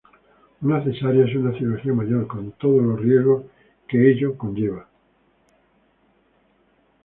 Una cesárea es una cirugía mayor, con todos los riesgos y eventos que conlleva.